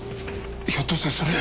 ひょっとしてそれ。